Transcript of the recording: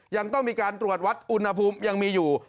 ยังต้องมีการตรวจวัดอุณหภูมิยังมีอยู่